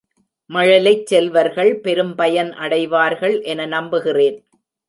மழலைச் செல்வர்கள் பெரும்பயன் அடைவார்கள் என நம்புகிறேன்.